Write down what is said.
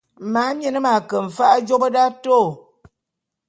Mamien m'ake mfa'a jôp d'atôô.